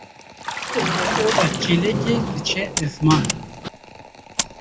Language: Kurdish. Oreora çêlekê diçe esmanan.